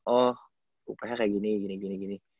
oh uph kayak gini